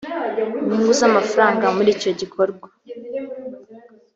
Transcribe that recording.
inyungu z’ amafaranga muri icyo gikorwa